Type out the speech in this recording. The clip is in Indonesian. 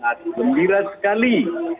saya sangat gembira sekali